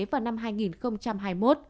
vào năm hai nghìn hai mươi một